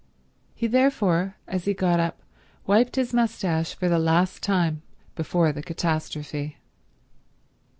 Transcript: He, therefore, as he got up wiped his moustache for the last time before the catastrophe.